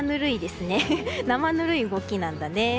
生ぬるい動きなんだね。